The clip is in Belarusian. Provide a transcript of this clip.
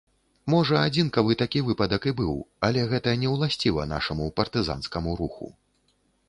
Можа, адзінкавы такі выпадак і быў, але гэта неўласціва нашаму партызанскаму руху.